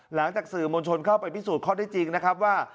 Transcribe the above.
หลังจากสื่อมวลชนเข้าไปพิสูจน์ข้อได้จริงนะครับว่า